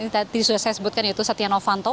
tadi sudah saya sebutkan yaitu setia novanto